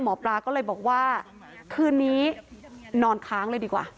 หมอปลาก็เลยบอกว่าคืนนี้นอนค้างเลยดีกว่า